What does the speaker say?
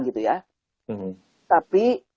gitu ya tapi